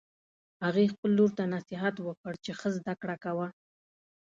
هغې خپل لور ته نصیحت وکړ چې ښه زده کړه کوه